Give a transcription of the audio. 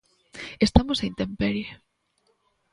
Estamos á intemperie.